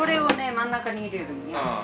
真ん中に入れるんよ。